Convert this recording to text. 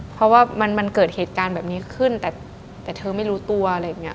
เพราะว่ามันเกิดเหตุการณ์แบบนี้ขึ้นแต่เธอไม่รู้ตัวอะไรอย่างนี้